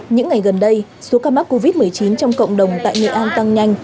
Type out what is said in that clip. những ngày gần đây số ca mắc covid một mươi chín trong cộng đồng tại nghệ an tăng nhanh